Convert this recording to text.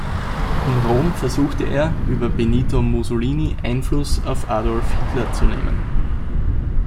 In Rom versuchte er, über Benito Mussolini Einfluss auf Adolf Hitler zu nehmen.